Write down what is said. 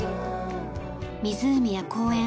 湖や公園